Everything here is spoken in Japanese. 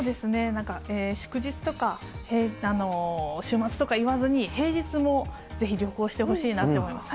なんか祝日とか週末とか言わずに、平日もぜひ、旅行してほしいなって思います。